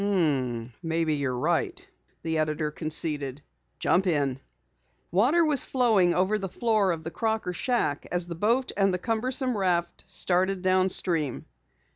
"Maybe you're right," the editor conceded. "Jump in." Water was flowing over the floor of the Crocker shack as the boat and the cumbersome raft started downstream.